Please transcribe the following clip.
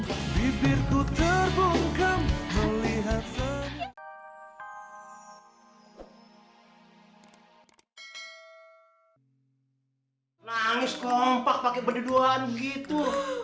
nangis kompak pake benda doan gitu